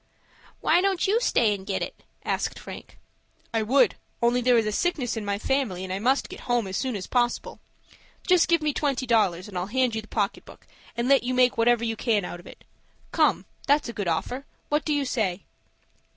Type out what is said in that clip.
"Why don't you stay and get it?" asked Frank. "I would, only there is sickness in my family, and I must get home as soon as possible. Just give me twenty dollars, and I'll hand you the pocket book, and let you make whatever you can out of it. Come, that's a good offer. What do you say?"